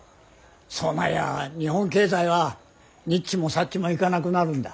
そうなりゃ日本経済はにっちもさっちもいかなくなるんだ。